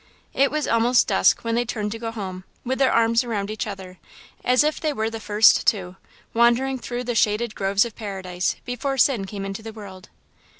It was almost dusk when they turned to go home, with their arms around each other, as if they were the First Two, wandering through the shaded groves of Paradise, before sin came into the world.